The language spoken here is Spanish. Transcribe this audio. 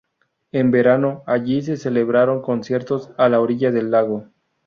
En verano allí se celebran conciertos a la orilla del lago.